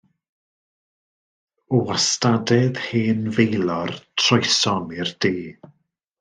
O wastadedd hen Faelor, troesom i'r de.